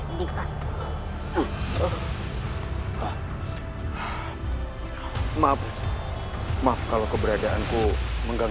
turkan blog rara santang